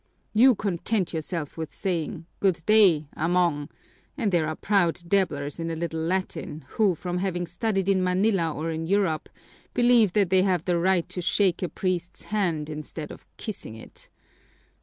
You content yourself with saying, 'good day, among,' and there are proud dabblers in a little Latin who, from having studied in Manila or in Europe, believe that they have the right to shake a priest's hand instead of kissing it.